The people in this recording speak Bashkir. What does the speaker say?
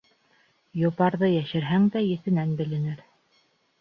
Йопарҙы йәшерһәң дә еҫенән беленер.